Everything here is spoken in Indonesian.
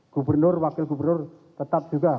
gubernur wakil gubernur tetap juga